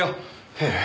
へえ